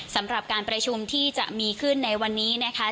สำหรับการประชุมที่จะมีขึ้นในวันนี้นะคะ